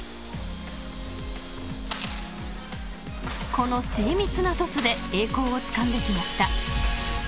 ［この精密なトスで栄光をつかんできました］